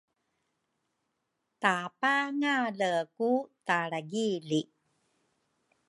Tapangale ku talragi li